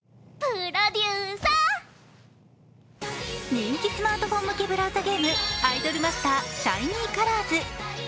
人気スマートフォン向けブラウザゲーム、「アイドルマスターシャイニーカラーズ」。